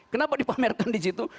kenapa dipamerkan disitu